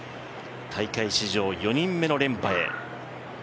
大会史上４人目の連覇へ。